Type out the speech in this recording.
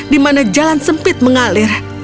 di mana jalan sempit mengalir